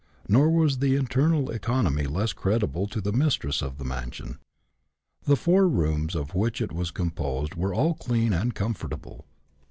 Nor was the internal economy less creditable to the mistress of the mansion. The four rooms of which it was composed were all clean and comfortable.